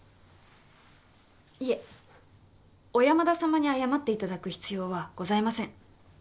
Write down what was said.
いえ小山田様に謝っていただく必要はございません。